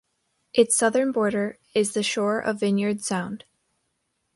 Its southern border is the shore of Vineyard Sound.